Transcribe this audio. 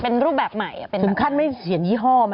น่าจะเห็นยี่ห้อมะ